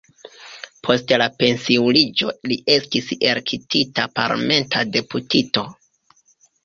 Post la pensiuliĝo li estis elektita parlamenta deputito.